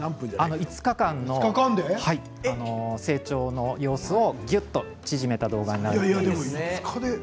５日間の成長の様子をぎゅっと縮めたものです。